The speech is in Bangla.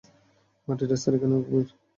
মাটির স্তর এখানে অগভীর।